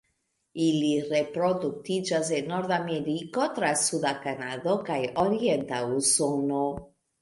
Ili reproduktiĝas en Nordameriko, tra suda Kanado kaj orienta Usono.